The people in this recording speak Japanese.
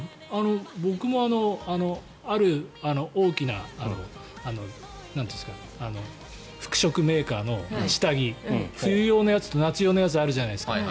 僕もある大きな服飾メーカーの下着冬用のやつと夏用のやつあるじゃないですか。